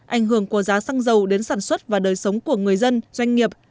ảnh hưởng của giá xăng dầu đến sản xuất và đời sống của người dân doanh nghiệp